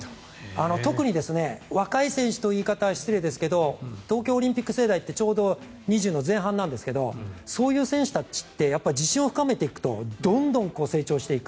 特に若い選手という言い方は失礼ですが東京オリンピック世代ってちょうど２０の前半なんですがそういう選手たちって自信を深めていくとどんどん成長していく。